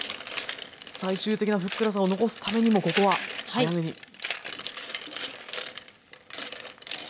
最終的なふっくらさを残すためにもここは早めに。